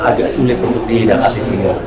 agak sulit untuk didapat disini